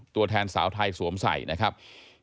ตัวแทนสาวไทยสวมใส่นะครับ